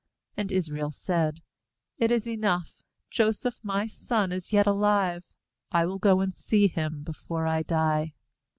* 28And Israel said: 'It is enough; Joseph my son is yet alive; I will go and see hi™ before I die.'